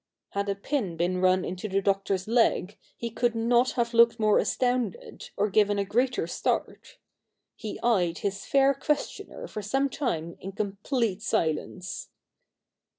Had a pin been run into the Doctor's leg, he could not have looked more astounded, or given a greater start. He eyed his fair questioner for some time in complete silence.